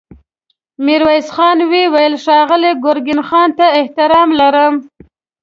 ميرويس خان وويل: ښاغلي ګرګين خان ته احترام لرم.